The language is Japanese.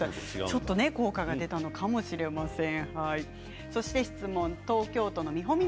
ちょっと効果が出たのかもしれません。